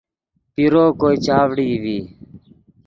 پیرو کوئے چاڤڑئی ڤی